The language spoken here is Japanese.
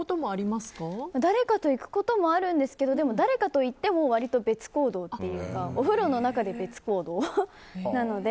誰かと行くこともありますがでも、誰かと行っても割と別行動というかお風呂の中で別行動なので。